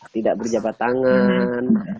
tidak berjabat tangan